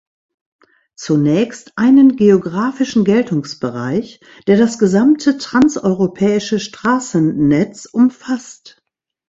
Zunächst einen geografischen Geltungsbereich, der das gesamte transeuropäische Straßennetz umfasst.